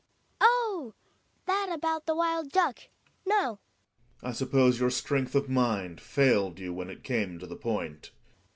Oh! that about the wild duck. No, Gregers. I suppose your strength of mind failed you when it came to the point.